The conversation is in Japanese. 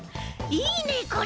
いいねこれ！